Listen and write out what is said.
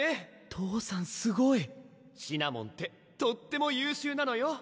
父さんすごいシナモンってとっても優秀なのよ